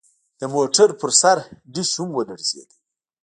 د موټر پر سر ډیش هم ولړزید